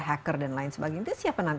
hacker dan lain sebagainya itu siapa nanti